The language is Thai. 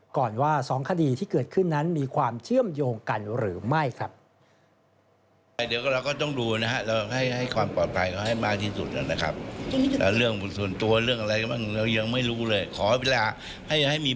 ก่อนว่า๒คดีที่เกิดขึ้นนั้นมีความเชื่อมโยงกันหรือไม่ครับ